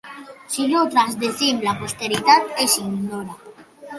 Si no transcendim la posteritat ens ignorarà.